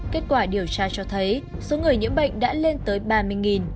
kết quả điều tra cho thấy số người nhiễm bệnh đã lên tới ba mươi